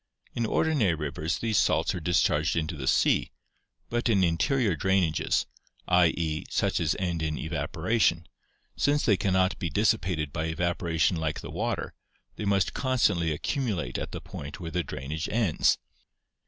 In ordinary rivers these salts are discharged into the sea, but in interior drainages [i. e.9 such as end in evaporation] since they cannot be dissipated by evaporation like the water, they must constantly accumulate at the point where the drainage ends.